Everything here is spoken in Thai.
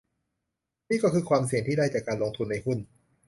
นี่ก็คือความเสี่ยงที่ได้จากการลงทุนในหุ้น